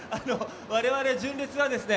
我々純烈はですね